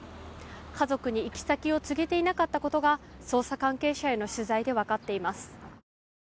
家族に行き先を告げていなかったことが捜査関係者への取材でわかっています。